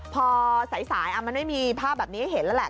พอสายมันไม่มีภาพแบบนี้ให้เห็นแล้วแหละ